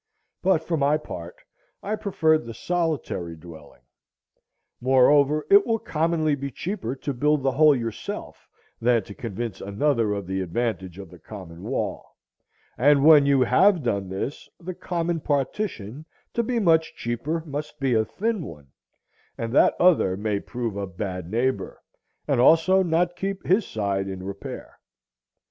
But for my part, I preferred the solitary dwelling. Moreover, it will commonly be cheaper to build the whole yourself than to convince another of the advantage of the common wall; and when you have done this, the common partition, to be much cheaper, must be a thin one, and that other may prove a bad neighbor, and also not keep his side in repair.